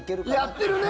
やってるね！